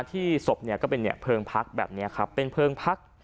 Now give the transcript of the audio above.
ที่ศพเนี่ยก็เป็นเพลิงพักแบบนี้ครับเป็นเพลิงพัก